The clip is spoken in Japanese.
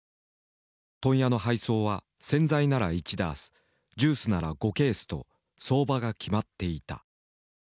問屋の配送は洗剤なら１ダースジュースなら５ケースと相場が決まっていた。